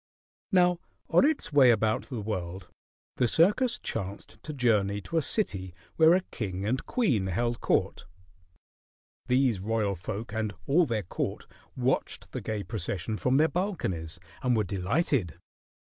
Now on its way about the world, the circus chanced to journey to a city where a king and queen held court. These royal folk and all their court watched the gay procession from their balconies and were delighted.